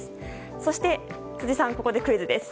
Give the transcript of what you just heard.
そして辻さん、ここでクイズです。